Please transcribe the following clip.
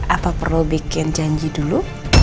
apa perlu bikin janji dulu